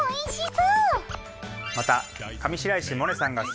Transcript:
また。